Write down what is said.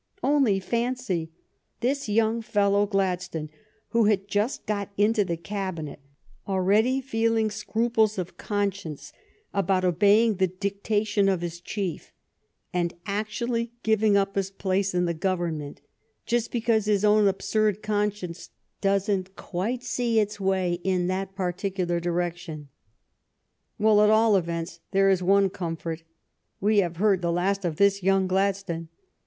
Only fancy — this young fellow, Gladstone, who has just got into the Cabinet, al ready feeling scruples of conscience about obeying 96 THE STORY OF GLADSTONE'S LIFE the dictation of his chief, and actually giving up his place in the Government just because his own absurd conscience doesn't quite see its way in that particular direction ! Well, at all events, there is one comfort — we have heard the last of this young Gladstone